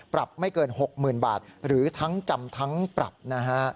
ปรับไม่เกิน๖๐๐๐บาทหรือทั้งจำทั้งปรับนะฮะ